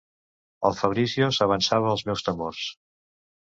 El Fabrizio s'avançava als meus temors...